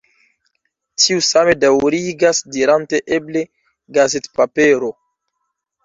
Tiu same daürigas dirante eble gazetpapero.